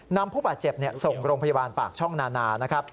ผู้บาดเจ็บส่งโรงพยาบาลปากช่องนานานะครับ